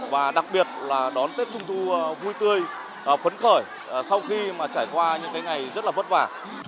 và đặc biệt là đón tết trung thu vui tươi phấn khởi sau khi mà trải qua những cái ngày rất là vất vả